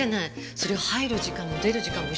それを入る時間も出る時間も一緒なんて。